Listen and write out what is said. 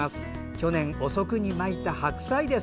昨年遅くにまいた白菜です。